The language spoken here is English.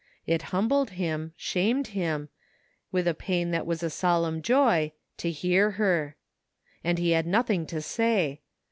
It humbled him, shamed him, with a pain that was a solemn joy, to hear her. And he had nothing to say.